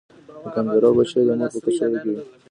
د کانګارو بچی د مور په کڅوړه کې وي